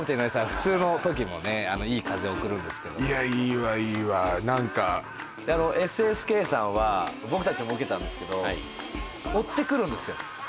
普通の時もいい風送るんですけどいやいいわいいわ何かでＳＳＫさんは僕たちも受けたんですけど追ってくるんですよ